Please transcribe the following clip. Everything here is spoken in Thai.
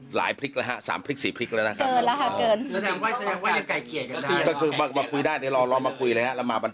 หลายปลิ๊กแรงจาก๓๔ปลิ๊กแล้วนะครับ